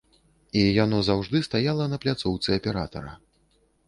І яно заўжды стаяла на пляцоўцы аператара.